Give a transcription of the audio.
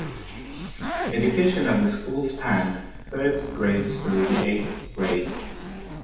Education at the school spanned first grade through the eighth grade.